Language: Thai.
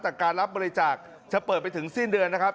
แต่การรับบริจาคจะเปิดไปถึงสิ้นเดือนนะครับ